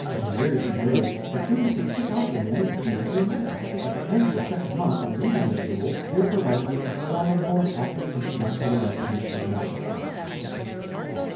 In a very few days the | students can pick out their men in two or three minutes. At the en of the second month, on leaving the school, they are provided with formidable and accurate instrument for the recognition of malefactors.